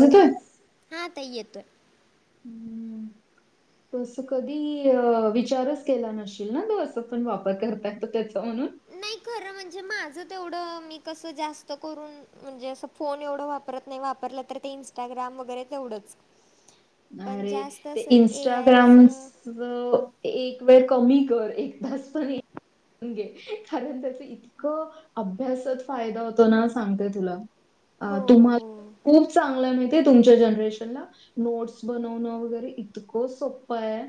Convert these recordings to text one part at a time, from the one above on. होतय. हा आता येतोय. [inaudible] तस कधी अ विचार पण केला नसशील ना तो असं तुम्ही वापर करताय त त्याचा म्हणून खर म्हणजे माझं तेवढं मी कस जास्त करून म्हणजे असं फोन एवढं वापरत नाय वापरलं तर ते इंस्टाग्राम वगैरे तेवढंच पण अरे जास्त ते असं ए इन्स्टाग्रामस आयचं ग एक वेळ कमी कर एक तास तरी घे कारण त्याच इतकं अभ्यासात फायदा होतो ना सांगतय तुला अ हो हो तुम्हाला खूप चांगलंय माहितीये तुमच्या जनरेशनला नोट्स बनवणं वगैरे इतकं सोप्पय.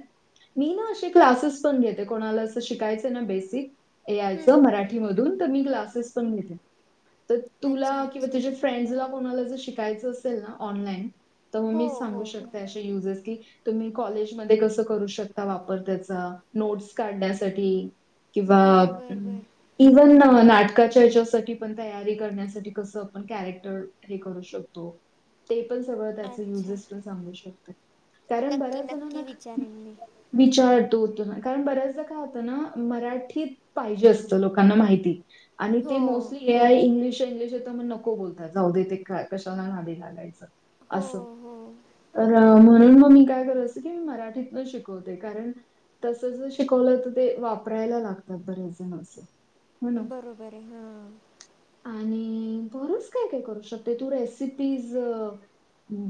मी न अशी क्लासेस पण घेते कोणाला असं शिकायचय ना बेसिक ए आय च हं, हं, हं. मराठीमधून त मी क्लासेस पण घेते त तुला अच्छा किंवा अच्छा तुझे फ्रेंड्सला कोणाला जर शिकायचं असेल ना ऑनलाईन तर म हो मी सांगू हो शकते अशे युजेस की तुम्ही कॉलेजमध्ये कसं करू शकता वापर त्याचा नोट्स काढण्यासाठी किंवा अ बर बर बर इव्हन नाटकाच्या हेच्यासाठी पण तयारी करण्यासाठी कसं आपण कॅरेक्टर हे करु शकतो ते पण सगळं त्याचं अच्छा युजेस पण सांगू शक तय कारण नक्की बऱ्याच जणांना नक्की विचारेन मी विचार तो [unintelligible] कारण बऱ्याचदा काय होतं ना मराठीत पाहिजे असत लोकांना माहिती आणि हो ते mostly A I English English येतं म नको बोलतात जाऊ दे ते क कशाला नादी लागायचं हो असं हो. तर म्हणून म मी काय करत असते की मी मराठीतन शिकवते कार कारण तस जर शिकवलं तर ते वापरायला लागतात बरेच जण असं हो ना? बरोबरये हा आणि बरच काय काय करू शकते तू रेसिपीज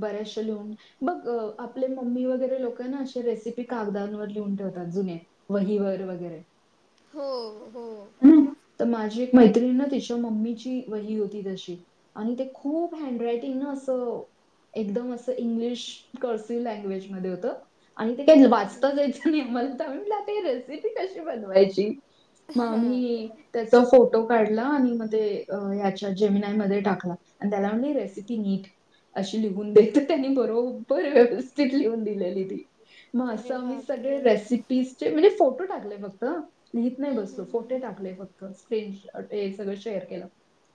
बऱ्याचशा लिहून बघ आपले मम्मी वगैरे लोक ना असे रेसिपी कागदांवर लिहून ठेवतात जुने वहीवर वगैरे हो हो. त माझी एक मैत्री न तिच्या मम्मीची वही होती तशी आणि ते खूप हँडरायटिंग न असं एकदम असं इंग्लिश कर्स्यु लँग्वेज मध्ये होत आणि ते काय हं, हं, हं. वाचताच यायच [unintelligible] म्हणतो आम्ही म्हटलं आता ही रेसिपी कशी बनवायची म हां आम्ही त्याचा फोटो काढला आणि म ते ह्याच्या जेमिनआयमध्ये टाकला. आणि त्याला म्हटली रेसिपी नीट अशी लिहून दे त त्यानी बरो बर व्यवस्थित लिहून दिलेली ती म अस अरे आम्ही सगळे बापरे रेसी पीसचे म्हणजे फोटो टाकलेय फक्त लिहित नाय हं, बसलो हं, हं, फोटे हं. टाकलेय फक् स्क्रीन ए सगळं शेअर केलं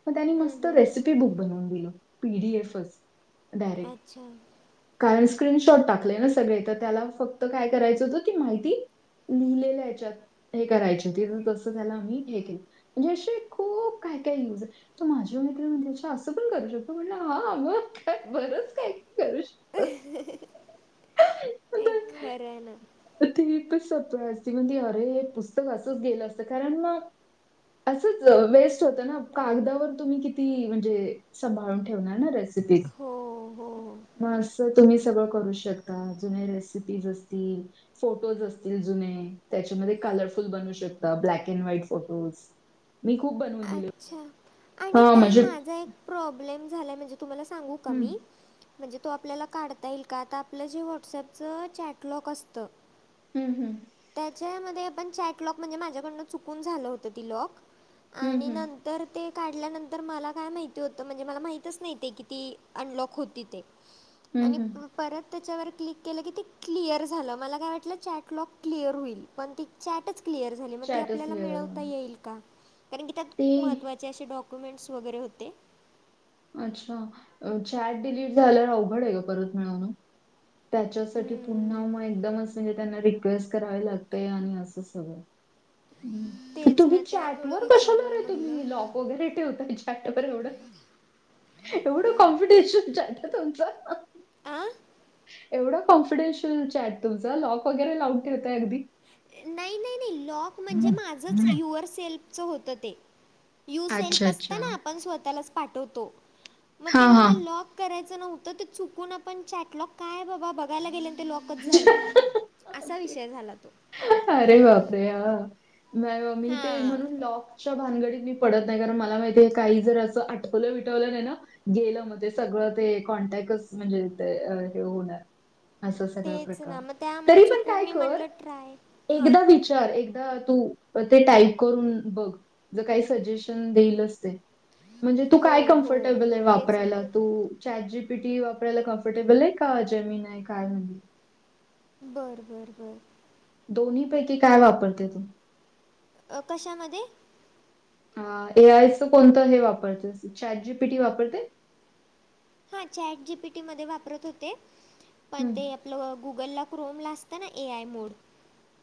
पण त्यानी हं, मस्त हं, हं. रेसिपी बुक बनवून दिलं पी डी एफच डायरेक्ट अच्छा कारण स्क्रीनशॉट टाकले ना सगळे त त्याला फक्त काय करायचं होतं ती माहिती लिहिलेल्या ह्याच्यात हे करायचे तिथं तसं त्याला आम्ही हे केलं. म्हणजे असे खूप काय काय यूज ये. त माझी मैत्रीण म्हणते अच्छा असं पण करू शकतो म्हटलं हा अग बरंच काय काय करू शक काय खरं नाय. तर ती एकच सतरावेळा असते म्हणते अरे हे पुस्तक असंच गेलं असतं कारण म असंच वेस्ट होतं ना कागदावर तुम्ही किती म्हणजे संभाळून ठेवणार ना रेस हो हो म असं तुम्ही सगळं करू शकता जुने रेसिपीज असतील फोटोज असतील जुने त्याच्यामध्ये कलरफुल बनू शकता ब्लॅक अँड व्हाईट फोटोज मी खूप बनवून दिल. अच्छा आणि ताई माझा एक प्रॉब्लेम झालाय म्हणजे तुम्हाला सांगू का हं, मी म्हणजे तो आपल्याला काढता येईल का आता आपलं जे व्हॉट्सअपच चॅटलॉक असतं. हूं हूं त्याच्यामध्ये आपण चॅटलॉक म्हणजे माझ्याकडनं चुकून झालं होतं ती लॉक हं, आणि हं, नंत तर ते काढल्यानंतर मला काय माहिती होतं म्हणजे मला माहीतच नाय ते की ती अनलॉक होती ते हं, आणि हं. परत त्याच्यावर क्लिक केलं की ते क्लिअर झालं मला काय वाटलं चॅटलॉक क्लिअर होईल पण ती चॅटच क्लिअर झाली म ती चॅटच आपल्याला क्लिअर झालं. मिळवता येईल का? कारण की त्यात ते महत्त्वाचे असे डॉक्युमेंट्स वगैरे होते. अच्छा अ चॅट डिलीट झाल्यावर अवघड ए ग परत मिळवणं. त्याच्यासाठी पुन्हा हम्म, म एकदमच म्हणजे त्यांना रिक्वेस्ट करावी लागते आणि असं सगळं हूं त तेच ना तुम्ही चॅट त्यामुळं वर कशाला विचारलं रे म्हणलं तुम्ही लॉक वगैरे ठेवताय चॅट वर एवढं एवढं कॉम्पिटिशन चालत तुमचं आं एवढ कॉन्फिडेन्शियल चॅट तुमच लॉक वगैरे लावून ठेवताय अगदी. नाय नाय नही लॉक म्हणजे माझंच युअर सेल्फचं होतं ते यू अच्छा, सेल्फ असत अच्छा. ना आपण स्वतःलाच पाठवतो म ते हां, मला हां. लॉक करायचं नव्हतं ते चुकून आपण चॅटलॉक काय बाबा बघायला गेले ते लॉकच अच्छा. झालं असा ओके. विषय झाला तो. अरे बापरे! हा नाय म मी ते हां. म्हणून लॉक च्याभानगडीत मी पडत नाय कारण मला माहिती आहे हे काही जर असं आठवलं बिठवलं नाय ना गेलं म ते सगळं ते कॉन्टॅकच म्हणजे ते अ हे होणार. असा सगळा तेच प्रकार ना मग त्यामुळं तरी पण चुकून काय मी कर म्हटलं ट्राय हां. एकदा विच तर एकदा तू अ ते टाईप करून बघ ज काही सजेशन देईलच ते म्हणजे तू हो, काय हो. कम्फर्टेबल ए तेच ना. वापरायला तू चाट जी पी टी वापरायला कम्फर्टेबल ये का जेमीन आय काय म्हण बरं बरं बर दोन्हीपैकी काय वापरते तु अ कशामध्ये अ ए आयचं कोणतं हे वापरतेस चॅट जी पी टी वापरते. हा चॅट जी पी टी मध्ये वापरत होते पण हम्म. ते आपलं अ गुगल ला क्रोमला असतं ना ए आय मोड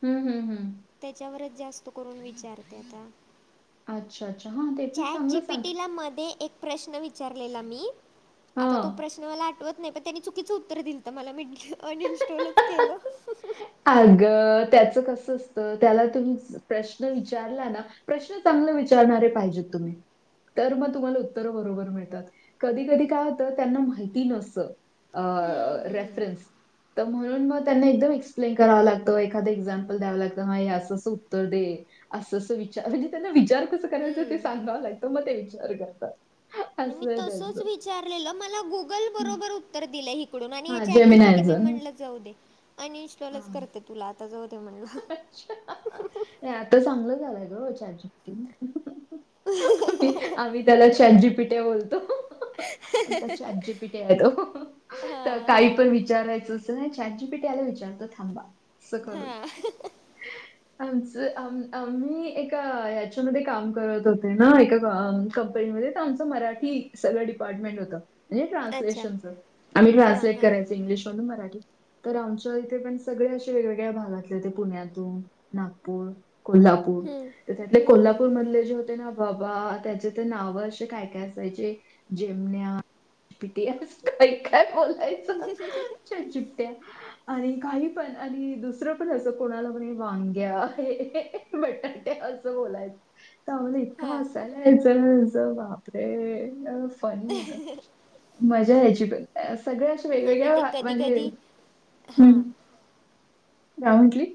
हम्म हम्म हम्म त्याच्यावरच जास्त करून विचारते आता अच्छा अच्छा हा ते पण चॅट जी चांगलं पी सांगते टीला मध्ये एक प्रश्न विचारलेला मी हा आता तो प्रश्न मला आठवत नाही पण त्यांनी चुकीचं उत्तर दिलंतं तर मला मी अनइन्स्टॉलच केलं [unintelligible] आगं त्याचं कसं असतं त्याला तुम्ही प्रश्न विचारला ना प्रश्न चांगला विचारणारे पाहिजेत तुम्ही तर म तुम्हाला उत्तरं बरोबर मिळतात कधी कधी काय होतं त्यांना माहिती नसतं अ हं, अ हं, रेफरन्स त म्हणून म त्यांना एकदम एक्स प्लेन कराव लागतं एखाद एक्झाम्पल द्यावं लागतं म या असं असं उत्तर दे असं असं विचार म्हणजे त्यांना विचार कसं करायचा ते हं. सांगावं लागतं मग ते विचार करतात मी असं आहे तसच त्यांचं. विचारलेलं मला गुगल हं. बरोबर उत्तर दिलं हे कुडून आणि या हां, चाट जी पी टी मी जेमिनायचं. हं. म्हणल जाऊ दे अनइन्स्टॉलच हां. करते तुला आता जाऊ दे म्हणलं अच्छा आ आ नाही आता चांगलं झालाय ग चॅट जी पी टी हं अ आम्ही त्याला चाट जी पी टया बोलतो हा आ आमचा चाट जि पी टया हाय तो तर हां काही हां पण विचारायचं नाही चॅट जी पी टया ला विचारतो थांबा असं करुन हां [inaudible] आमचं आ आम्ही एका हयाच्यामध्ये काम करत होते ना एका ग कंप आमच मराठी सगळं डिपार्टमेंट होतं म्हणजे अच्छा ट्रान्सलेशनच आम्ही हां ट्रान्सलेट हां करायच इंग्लिशमधून मराठी तर आमच्या इथे पण सगळे अशे वेगवेगळ्या भागातले होते पुण्यातून, नागपूर कोल्हापूर, हम्म तर त्यातले हम्म हम्म कोल्हापूर मधले जे होते ना बाबा त्याचे तर नाव अशे काय काय असायचे जेमण्या पि टी एस काय काय बोलाय हम्म [unintelligible] ते आणि काही पण आणि दुसरं पण असं कोणाला पण ए वांग्या ए बटाट्या असं बोलायचे. तेंव्हा मला इतक हां हसायला यायचं बापरे फनी होत. मजा या्यची पण सगळ्या अशा नाही मी ते वेगवेगळ्या कधी म्हणजे ह कधी म्हणजे हां ग्राऊंटली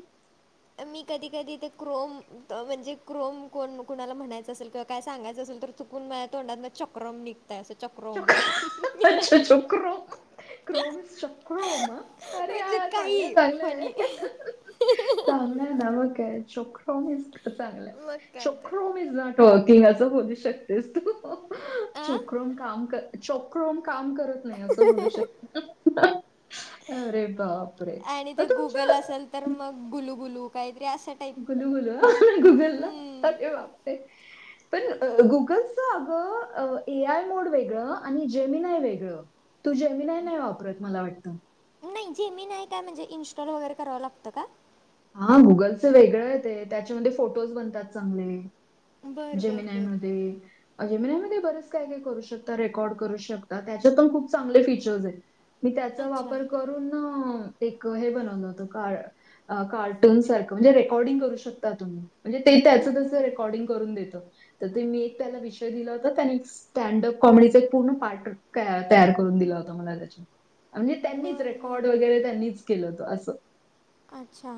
मी कधी कधी ते क्रोम म्हणजे क्रोम कोण कुणाला म्हणायचं असेल किंवा काय सांगायचं असेल तर त पुन्हा तोंडातन चक्रम नी [unintelligible] अच्छा चक्रो क्रोम चक्रो म अरे म्हणजे यार चांगलं काही चांगलंय, फनी चांगलं ना मग काय. चक्रोम इतक चांगलं हाय मग काय तर चक्रो म इज नॉट वर्किंग असं बोलू शकतेस तू. आ चक्रॉम् काम कर, चक्रम काम करत- नाही असं बोलू शकते अरे बाप रे आणि ते गुगल तुमच्या असेल तर मग गुलूगुलू काहीतरी अस टाईप - गुलू गुलु [unintelligible] पण गुगलच अगं ए आय मोड वेगळं आणि जेमिनाय वेगळं. तू जेमिनाय नाही वापरत मला वाटतं. नाही जेमिनाय नाही काय म्हणजे इनस्टॉल वगैरे करावं लागतं का? हा गुगलच वेगळाय ते त्याच्यामध्ये फोटोज बनतात चांगले बर बर बर. जमिनायमध्ये जेमिनाय मध्ये बरेच काय काय करू शकता रेकॉर्ड करू शकता तेच्यात पण खूप चांगले फीचर्स हायत. मी त्याचा अच्छा वापर करून एक हे बनवल होत काळ कार्टून सारखं म्हणजे रेकॉर्डिंग करू शकता तुम्ही म्हणजे ते त्याच हम्म त्याच हम्म रेकॉर्डिंग करून देत तर ते मी एक त्याला विषय दिला होता त्यानीच स्टँडअप कॉमेडीचा एक पूर्ण पार्ट तयार करून दिला होत मला तेच्यात म्हणजे हम्म त्यांनीच बर बर रेकॉर्ड वगरे बर त्यांनीच केलं होतं आस अच्छा.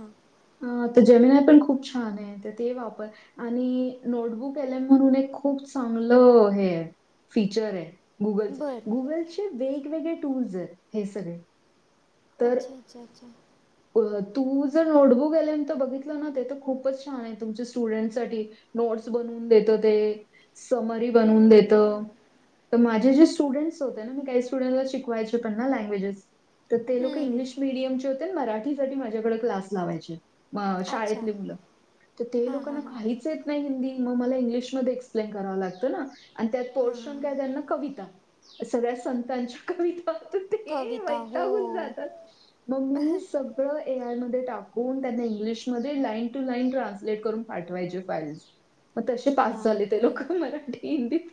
ते जेमिनाय पण खूप छानाय त ते वापर आणि नोटबुक एल्म केल्या म्हणून एक खूप चांगलं हे हाय फीचराय गुगलच बर गुगलचे वेगवेगळे टूल्स हायत हे सगळे तर अच्छा अच्छा अच्छा. अ तू जर नोटबुक एल्न बघितलं ना ते तर खूपच छानाय तुमच्या स्टुडंटसाठी नोट्स बनवून देत ते समरी हम्म बनवून देत. हम्म हम्म. त माझे जे स्टुडंट्स होते ना मी काही स्टुडंट्स शिकवायचे पण ना लँग्वेजेस त ते लोक हम्म इंग्लिश मिडियमचे होते मराठीसाठी माझ्याकडे क्लास लावायचे. म अच्छा शाळेतली मुलं तर ते हां लोक हां ना हां काहीच येत नाइ हिंदी म मला इंग्लिश मध्ये एक्सपेन करावं लागत ना आणि त्यात पोरषण हां त्यात आलं कविता सगळ्या संतांच्या कविता होती. ते कविता हो वैतागून जातात म मी सगळं ए आय मध्ये टाकून त्यांना इंग्लिशमध्ये लाईन टू लाईन ट्रान्सलेट करून पाठवायचे फाईल्स म तशे पास झाले ते बापरे. लोक मराठी, हिंदीत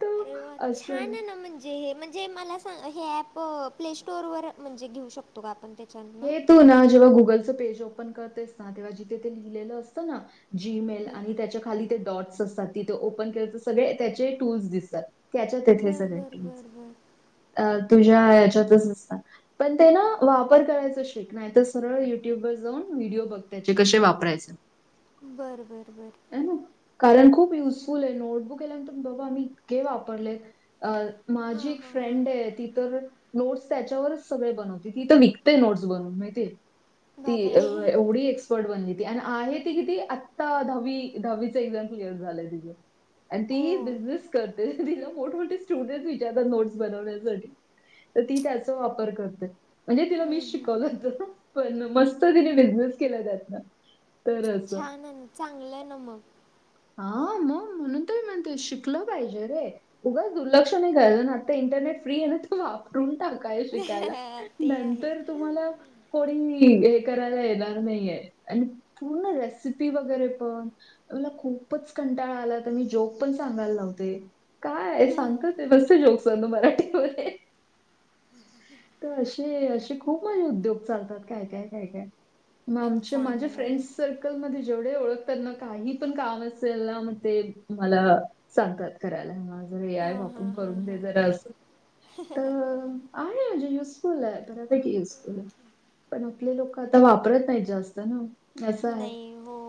तर अरे वा असं छान ना म्हण जे म्हणजे मला सांग हे ॲप प्ले स्टोरवर म्हणजे घेऊ शकतो का आपण तेच्यान हे तू ना जेव्हा गुगलचं पेज ओपन करतेस ना तेव्हा जिथे ते लिहिलेलं असतं ना. जीमेल आणि त्यांच्या खाली ते डॉट्स असतात ते ओपन केलं तरं सगळें त्यांचे टूल्स दिसतात. त्याच्यांत हायत हे बरं सगळे बरं टुल्स बरं अ तुझ्या हेच्यातच दिसतात पण ते नां वा वापर करायचं शिक नाहीतर सरळ युट्यूब वर जाऊन व्हिडिओ बघं त्यांचे कसे वापरायचे बरं बरं बरं. अनं कारणं खूप युजफुलाय नोटबुक एल्नं बाबा आम्ही इतके वापरले अ माझी हां एक हां फ्रेंड हां हाय ती तरं नोट्स त्यांच्यावरच सगळे बनवते तीत विकतेय नोट्स बनवून माहितीय ती बापरे एवढी एक्स्पर्ट बनली ती आहे ती किती आता दहा वी दहाविच एक्झाम क्लिअर झालय तिचं आणि ती ओ ही बिसनेस कर तिला मोठ मोठे स्टुडंटस विचारतात नोटस बनवण्यासाठी त ती त्यांचा वापर करते म्हणजे तिला हम्म, मिश हम्म, शिकाव हम्म. लागत पण मस्त तिने बिनेस केलाय त्याचा छानाय चांगलाय ना म हा म म्हणून तय म्हणते शिकलं पाहिजे रे उगा दुर्लक्ष नाइ करायचं आता इंटरनेट फ्री हाय ना तर वापरून टाक काय शिकायला ते आहे नंतर तुम्हाला कोणी हे करायला येणारं नाहीये आणि पूर्ण रेसिपी वगरे पण मला खूप खूपचं कंटाळा आला तरं मी जोक पणं सांगायला लावते, कायं हम्म, सांगत, ते मस्तं जोक. [unintelligible] मराठी [unintelligible] तरं अशे अशे खूप माझे उद्योग चालतात, कायं-कायं कायं-कायं. मगं आमचे, माझ्या चांगलं आहे फ्रेंड्स सर्कलमंध्ये जेवढे ओळखतात नां, कांहीं पणं कामं अस त्याला म ते मला सांगतात करायला, माझं [unintelligible] हे आहे हां बा. हां करूंन हां दे जरा असं. आहे म्हणजे युसफुल आहे, बऱ्यापैकी युजफूल ये. पणं आपले लोक आता वापरत नाहीं जास्तं नां, असं आहे. नाही हो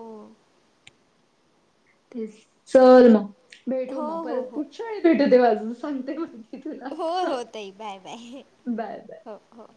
ते चल मगं, भेटू हो मगं, परतं हो चल हो पुढच्या वेळे भेटू तेव्हा अजून सांगते मगं. हो हो ताई, बाय-बाय बाय हो हो.